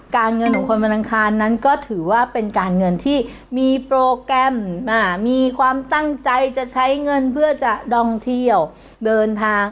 เงินของคนวันอังคารนั้นก็ถือว่าเป็นการเงินที่มีโปรแกรมมีความตั้งใจจะใช้เงินเพื่อจะดองเที่ยวเดินทาง